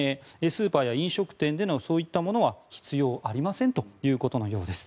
スーパーや飲食店でのそういったものは必要ありませんということのようです。